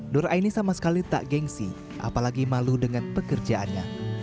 nur aini sama sekali tak gengsi apalagi malu dengan pekerjaannya